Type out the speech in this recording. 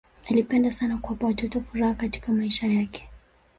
alipenda sana kuwapa watoto furaha katika maisha yake